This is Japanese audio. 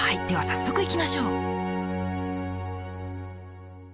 では早速いきましょう。